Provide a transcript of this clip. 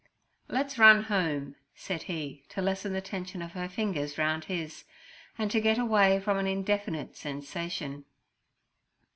'Let's run home' said he, to lessen the tension of her fingers round his, and to get away from an indefinite sensation.